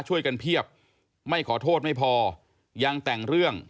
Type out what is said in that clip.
เพียบไม่ขอโทษไม่พอยังแต่งเรื่อง